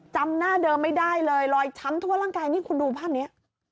จำหน้าเดิมไม่ได้เลยรอยช้ำทั่วร่างกายนี่คุณดูภาพนี้